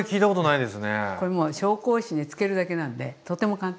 これもう紹興酒に漬けるだけなんでとても簡単。